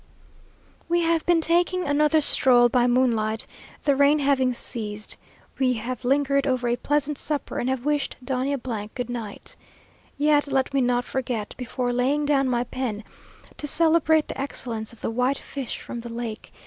We have been taking another stroll by moonlight, the rain having ceased; we have lingered over a pleasant supper, and have wished Doña goodnight. Yet let me not forget, before laying down my pen, to celebrate the excellence of the white fish from the lake!